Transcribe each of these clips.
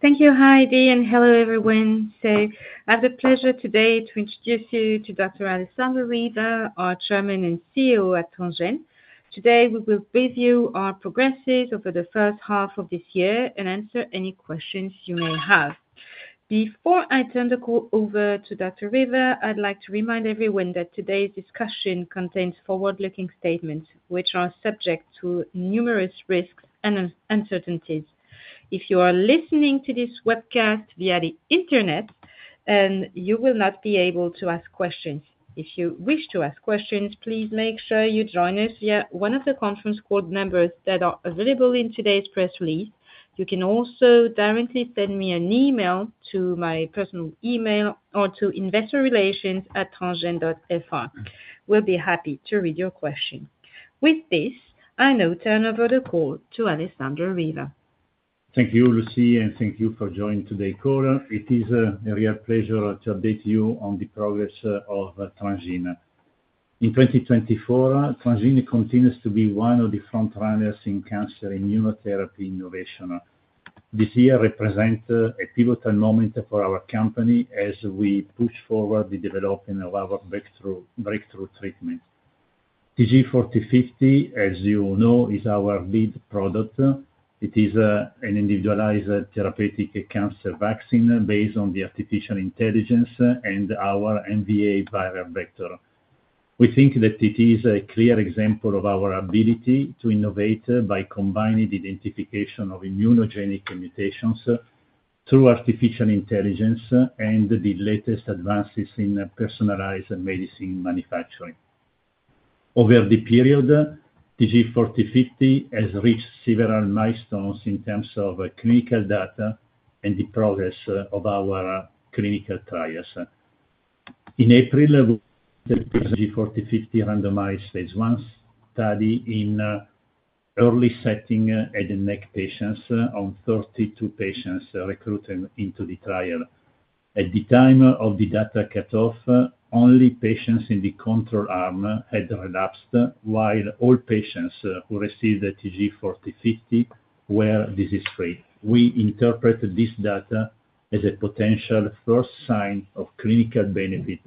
Thank you, Hedi, and hello, everyone. So I have the pleasure today to introduce you to Dr. Alessandro Riva, our Chairman and CEO at Transgene. Today, we will brief you our progresses over the first half of this year and answer any questions you may have. Before I turn the call over to Dr. Riva, I'd like to remind everyone that today's discussion contains forward-looking statements, which are subject to numerous risks and uncertainties. If you are listening to this webcast via the Internet, you will not be able to ask questions. If you wish to ask questions, please make sure you join us via one of the conference call numbers that are available in today's press release. You can also directly send me an email to my personal email or to investorrelations@transgene.fr. We'll be happy to read your question. With this, I now turn over the call to Alessandro Riva. Thank you, Lucie, and thank you for joining today's call. It is a real pleasure to update you on the progress of Transgene. In 2024, Transgene continues to be one of the frontrunners in cancer immunotherapy innovation. This year represents a pivotal moment for our company as we push forward the development of our breakthrough treatment. TG4050, as you know, is our lead product. It is an individualized therapeutic cancer vaccine based on the artificial intelligence and our MVA viral vector. We think that it is a clear example of our ability to innovate by combining the identification of immunogenic mutations through artificial intelligence and the latest advances in personalized medicine manufacturing. Over the period, TG4050 has reached several milestones in terms of clinical data and the progress of our clinical trials. In April, TG4050 randomized phase I study in early-stage head and neck patients. 32 patients recruited into the trial. At the time of the data cutoff, only patients in the control arm had relapsed, while all patients who received the TG4050 were disease-free. We interpreted this data as a potential first sign of clinical benefit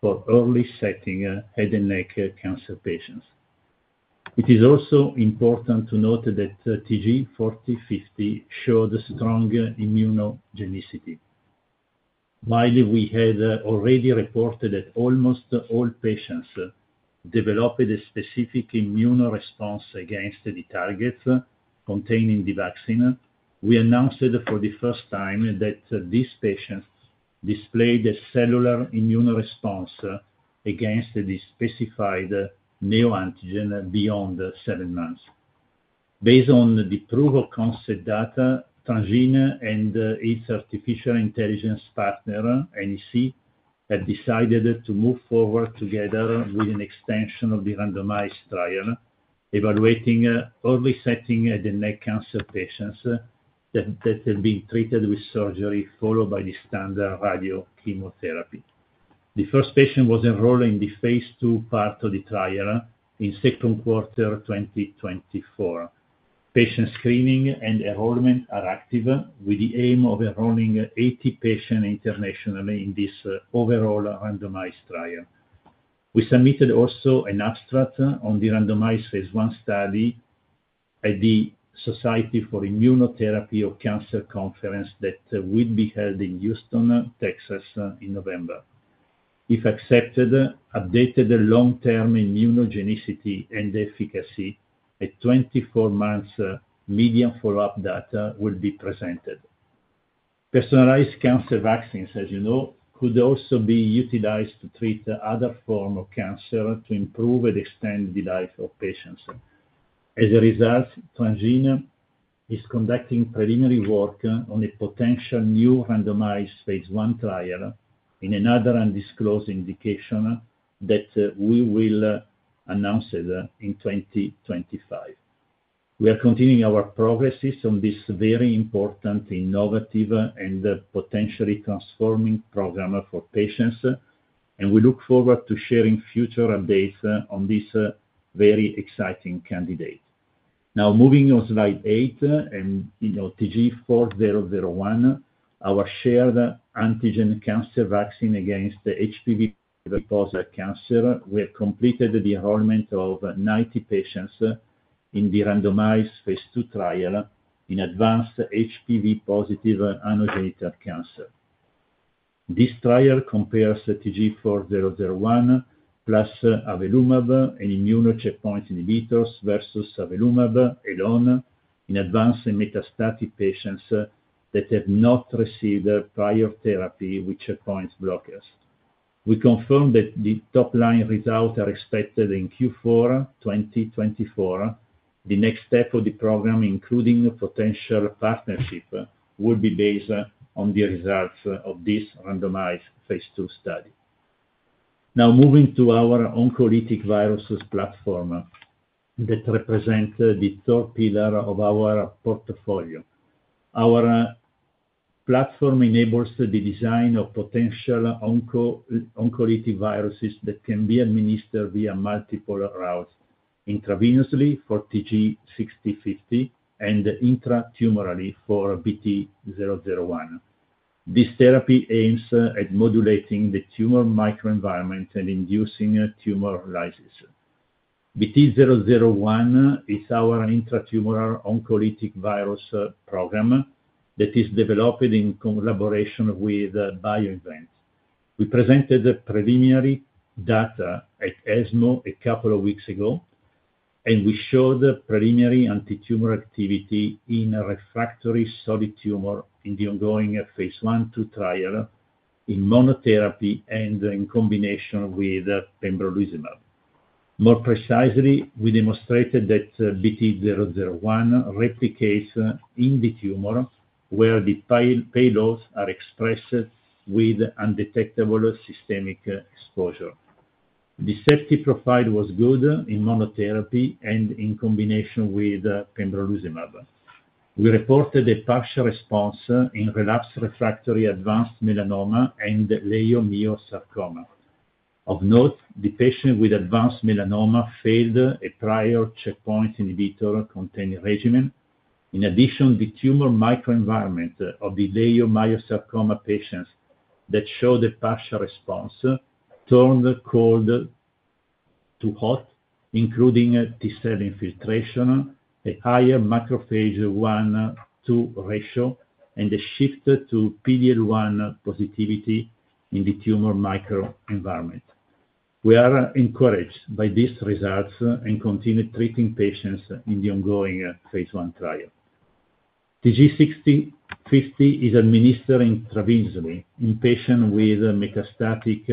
for early-stage head and neck cancer patients. It is also important to note that TG4050 showed strong immunogenicity. While we had already reported that almost all patients developed a specific immune response against the targets containing the vaccine, we announced it for the first time that these patients displayed a cellular immune response against the specified neoantigen beyond seven months. Based on the proof of concept data, Transgene and its artificial intelligence partner, NEC, have decided to move forward together with an extension of the randomized trial, evaluating early-stage head and neck cancer patients that have been treated with surgery followed by the standard radiochemotherapy. The first patient was enrolled in the phase II part of the trial in second quarter 2024. Patient screening and enrollment are active, with the aim of enrolling eighty patients internationally in this overall randomized trial. We submitted also an abstract on the randomized phase I study at the Society for Immunotherapy of Cancer conference that will be held in Houston, Texas, in November. If accepted, updated long-term immunogenicity and efficacy at 24 months median follow-up data will be presented. Personalized cancer vaccines, as you know, could also be utilized to treat other form of cancer to improve and extend the life of patients. As a result, Transgene is conducting preliminary work on a potential new randomized phase I trial in another undisclosed indication that we will announce it in twenty twenty-five. We are continuing our progresses on this very important, innovative, and potentially transforming program for patients, and we look forward to sharing future updates on this, very exciting candidate. Now, moving on to slide eight, and you know, TG4001, our shared antigen cancer vaccine against HPV-positive cancer, we have completed the enrollment of ninety patients in the randomized phase two trial in advanced HPV-positive anogenital cancer. This trial compares TG4001 plus avelumab, an immune checkpoint inhibitor, versus avelumab alone in advanced and metastatic patients that have not received prior therapy with checkpoint blockers. We confirm that the top-line results are expected in Q4 2024. The next step of the program, including a potential partnership, will be based on the results of this randomized phase II study. Now, moving to our oncolytic viruses platform that represent the third pillar of our portfolio. Our platform enables the design of potential oncolytic viruses that can be administered via multiple routes, intravenously for TG6050 and intratumorally for BT-001. This therapy aims at modulating the tumor microenvironment and inducing tumor lysis. BT-001 is our intratumoral oncolytic virus program that is developed in collaboration with BioInvent. We presented the preliminary data at ESMO a couple of weeks ago, and we showed the preliminary anti-tumor activity in a refractory solid tumor in the ongoing phase I/II trial in monotherapy and in combination with pembrolizumab. More precisely, we demonstrated that BT-001 replicates in the tumor, where the payloads are expressed with undetectable systemic exposure. The safety profile was good in monotherapy and in combination with pembrolizumab. We reported a partial response in relapsed refractory advanced melanoma and leiomyosarcoma. Of note, the patient with advanced melanoma failed a prior checkpoint inhibitor-containing regimen. In addition, the tumor microenvironment of the leiomyosarcoma patients that showed a partial response turned cold to hot, including T cell infiltration, a higher M1/M2 ratio, and a shift to PD-L1 positivity in the tumor microenvironment. We are encouraged by these results, and continue treating patients in the ongoing phase I trial. TG6050 is administered intravenously in patients with metastatic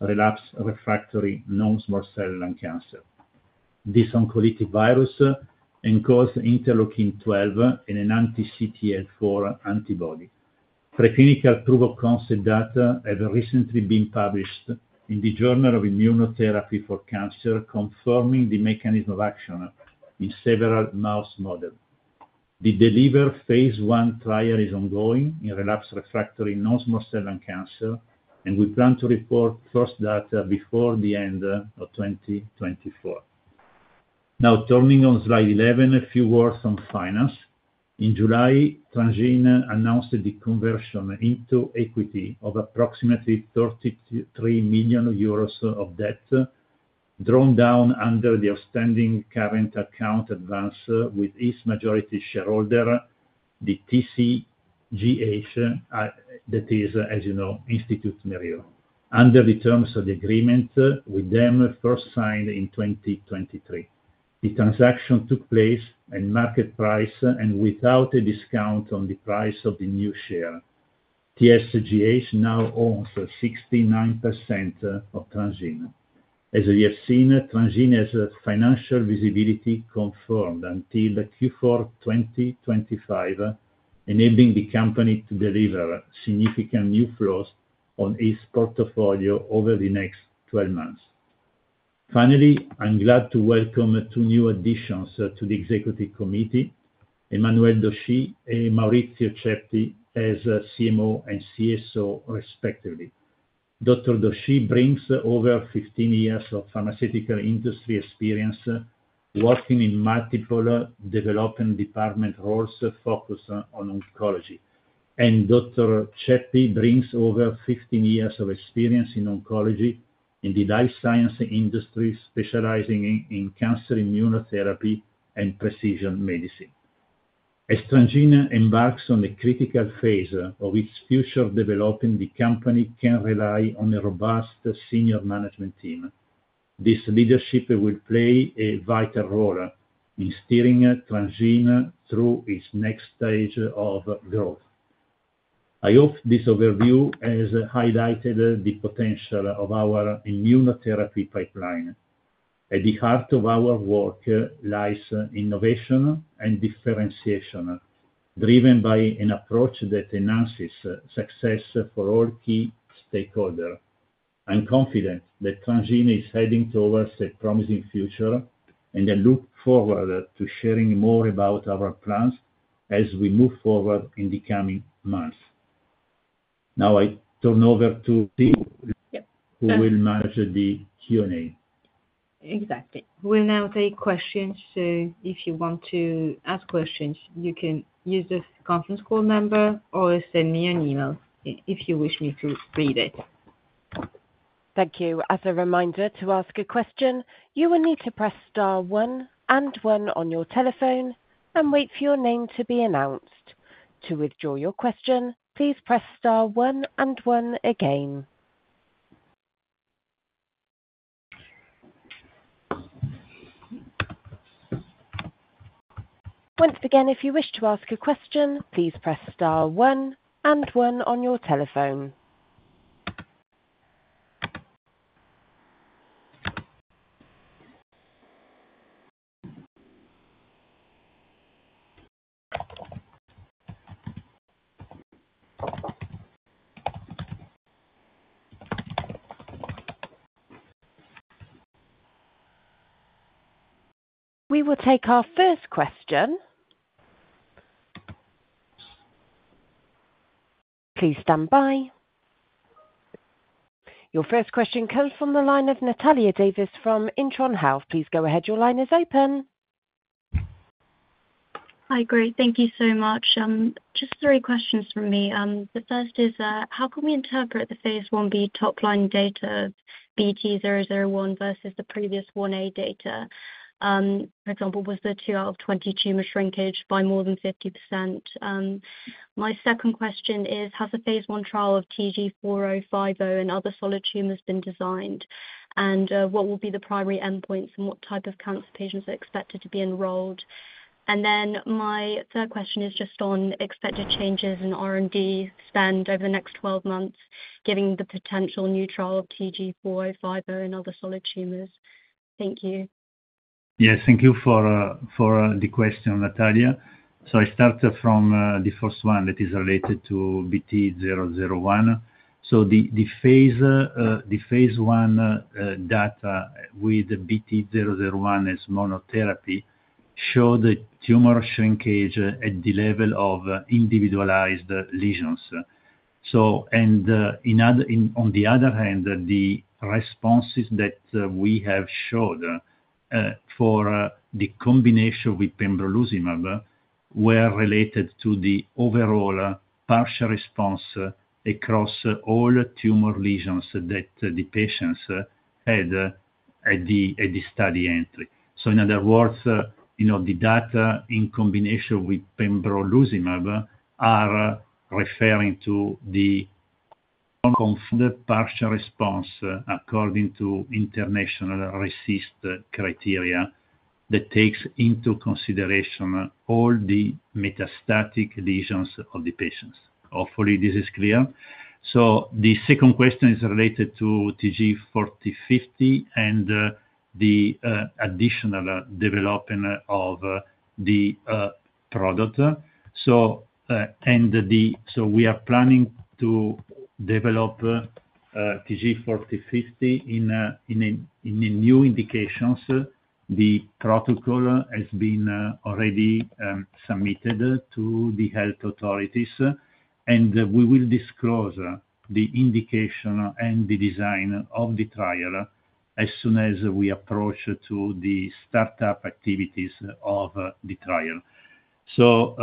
relapse refractory non-small cell lung cancer. This oncolytic virus encodes interleukin-12 and an anti-CTLA-4 antibody. Preclinical proof of concept data have recently been published in the Journal for ImmunoTherapy of Cancer, confirming the mechanism of action in several mouse models. The DELIVER phase one trial is ongoing in relapsed refractory non-small cell lung cancer, and we plan to report first data before the end of 2024. Now, turning to slide eleven, a few words on finance. In July, Transgene announced the conversion into equity of approximately 33 million euros of debt, drawn down under the outstanding current account advance with its majority shareholder, the TSGH. That is, as you know, Institut Mérieux. Under the terms of the agreement, with them first signed in 2023. The transaction took place at market price and without a discount on the price of the new share. TSGH now owns 69% of Transgene. As you have seen, Transgene has financial visibility confirmed until Q4 2025, enabling the company to deliver significant new flows on its portfolio over the next 12 months. Finally, I'm glad to welcome two new additions to the executive Emmanuelle Dochy and Maurizio Ceppi, as CMO and CSO, respectively. Dr. Dochy brings over 15 years of pharmaceutical industry experience, working in multiple development department roles focused on oncology. Dr. Ceppi brings over 15 years of experience in oncology in the life sciences industry, specializing in cancer immunotherapy and precision medicine. As Transgene embarks on the critical phase of its future development, the company can rely on a robust senior management team. This leadership will play a vital role in steering Transgene through its next stage of growth. I hope this overview has highlighted the potential of our immunotherapy pipeline. At the heart of our work lies innovation and differentiation, driven by an approach that enhances success for all key stakeholders. I'm confident that Transgene is heading towards a promising future, and I look forward to sharing more about our plans as we move forward in the coming months. Now, I turn over to Steve Yep. Who will manage the Q&A? Exactly. We'll now take questions, so if you want to ask questions, you can use this conference call number or send me an email if you wish me to read it. Thank you. As a reminder, to ask a question, you will need to press star one and one on your telephone and wait for your name to be announced. To withdraw your question, please press star one and one again. Once again, if you wish to ask a question, please press star one and one on your telephone. We will take our first question. Please stand by. Your first question comes from the line of Natalia Davis from Intron Health. Please go ahead. Your line is open. Hi, great. Thank you so much. Just three questions from me. The first is, how can we interpret the phase Ib top-line data BT-001 versus the previous Ia data? For example, was the 2 out of 20 tumor shrinkage by more than 50%? My second question is, has the phase I trial of TG4050 and other solid tumors been designed? And, what will be the primary endpoints, and what type of cancer patients are expected to be enrolled? And then my third question is just on expected changes in R&D spend over the next 12 months, giving the potential new trial of TG4050 in other solid tumors. Thank you. Yes, thank you for the question, Natalia. I start from the first one that is related to BT-001. The phase I data with BT-001 as monotherapy show the tumor shrinkage at the level of individualized lesions. And, on the other hand, the responses that we have showed for the combination with pembrolizumab were related to the overall partial response across all tumor lesions that the patients had at the study entry. In other words, you know, the data in combination with pembrolizumab are referring to the partial response, according to international RECIST criteria, that takes into consideration all the metastatic lesions of the patients. Hopefully, this is clear. So the second question is related to TG4050 and the additional development of the product. So we are planning to develop TG4050 in a new indication. The protocol has been already submitted to the health authorities, and we will disclose the indication and the design of the trial as soon as we approach to the startup activities of the trial. So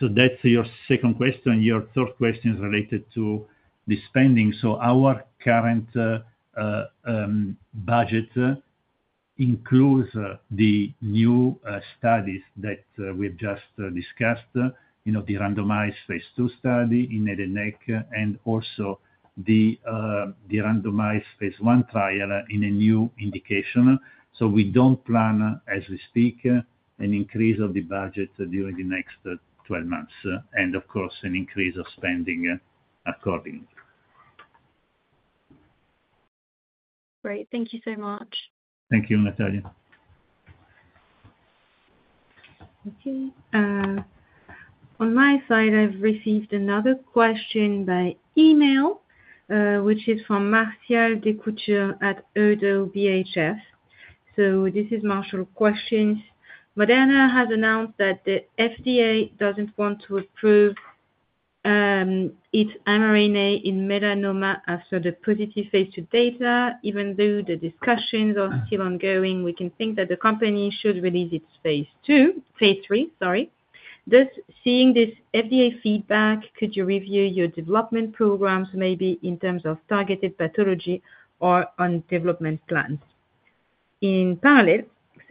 that's your second question. Your third question is related to the spending. So our current budget includes the new studies that we've just discussed, you know, the randomized phase II study in head and neck, and also the randomized phase I trial in a new indication. So we don't plan, as we speak, an increase of the budget during the next twelve months, and of course, an increase of spending, accordingly. Great. Thank you so much. Thank you, Natalia. Okay, on my side, I've received another question by email, which is from Martial Descoutures at ODDO BHF. So this is Martial's question: Moderna has announced that the FDA doesn't want to approve its mRNA in melanoma after the positive phase II data. Even though the discussions are still ongoing, we can think that the company should release its phase II, phase III, sorry. Thus, seeing this FDA feedback, could you review your development programs, maybe in terms of targeted pathology or on development plans? In parallel,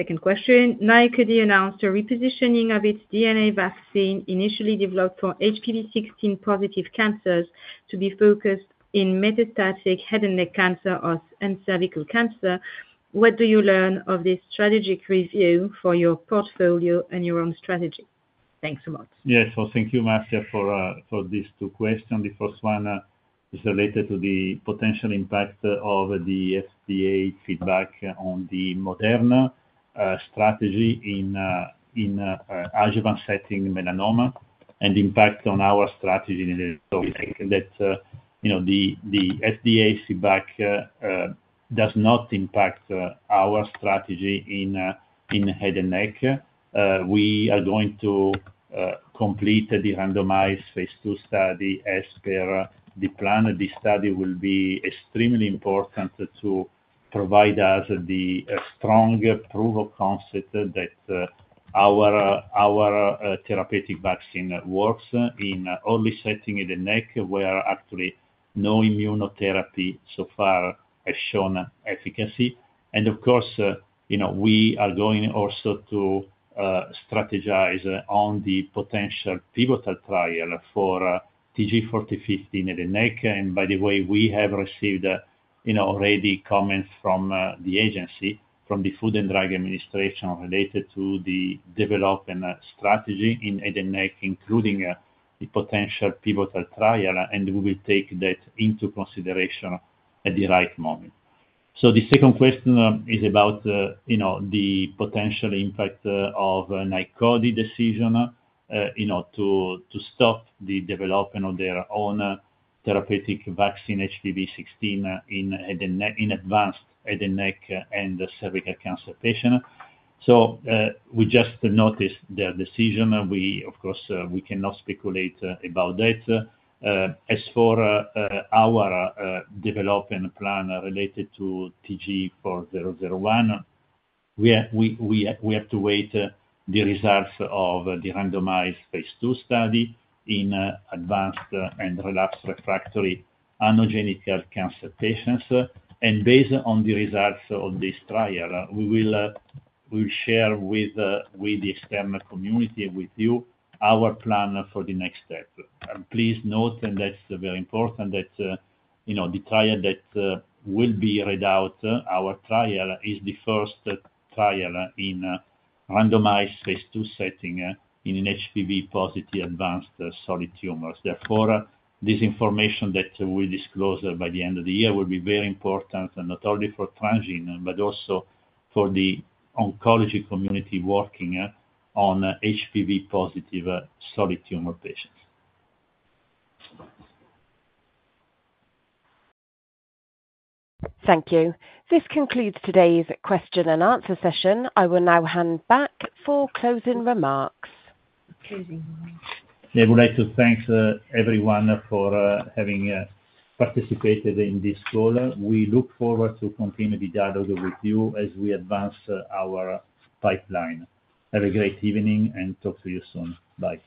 second question, Nykode announced a repositioning of its DNA vaccine, initially developed for HPV-16 positive cancers, to be focused in metastatic head and neck cancer or and cervical cancer. What do you learn of this strategic review for your portfolio and your own strategy? Thanks a lot. Yes. Well, thank you, Martial, for these two questions. The first one is related to the potential impact of the FDA feedback on the Moderna strategy in adjuvant setting melanoma and impact on our strategy in head and neck. That, you know, the FDA feedback does not impact our strategy in head and neck. We are going to complete the randomized phase II study as per the plan. The study will be extremely important to provide us the strong proof of concept that our therapeutic vaccine works in adjuvant setting in the neck, where actually no immunotherapy so far has shown efficacy. Of course, you know, we are going also to strategize on the potential pivotal trial for TG4050 neck. By the way, we have received, you know, already comments from the agency, from the Food and Drug Administration, related to the development strategy in head and neck, including the potential pivotal trial, and we will take that into consideration at the right moment. The second question is about, you know, the potential impact of Nykode decision, you know, to stop the development of their own therapeutic vaccine, HPV-16, in head and neck, in advanced head and neck and cervical cancer patient. We just noticed their decision, and we of course cannot speculate about that. As for our development plan related to TG4001, we have to wait the results of the randomized phase II study in advanced and relapsed refractory anogenital cancer patients, and based on the results of this trial, we will share with the external community, with you, our plan for the next step. Please note, and that's very important, that you know the trial that will be read out, our trial is the first trial in a randomized phase II setting in an HPV-positive advanced solid tumors. Therefore, this information that we disclose by the end of the year will be very important, and not only for Transgene, but also for the oncology community working on HPV-positive solid tumor patients. Thank you. This concludes today's question and answer session. I will now hand back for closing remarks. I would like to thank everyone for having participated in this call. We look forward to continuing the dialogue with you as we advance our pipeline. Have a great evening, and talk to you soon. Bye.